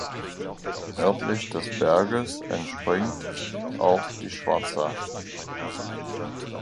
Nördlich des Berges entspringt auch die Schwarza.